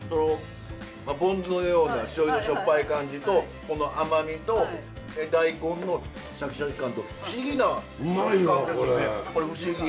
ポン酢のようなしょうゆのしょっぱい感じとこの甘みと大根のシャキシャキ感と不思議な食感ですよね。